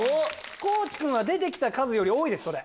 地君は出て来た数より多いですそれ。